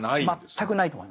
全くないと思いますね。